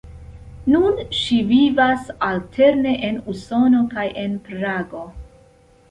Nun ŝi vivas alterne en Usono kaj en Prago.